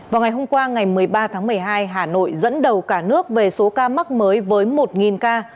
vào ngày hôm qua ngày một mươi ba tháng một mươi hai hà nội dẫn đầu cả nước về số ca mắc mới với một ca